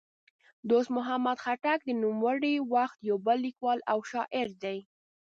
دوست محمد خټک د نوموړي وخت یو بل لیکوال او شاعر دی.